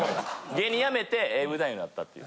芸人やめてＡＶ男優になったっていう。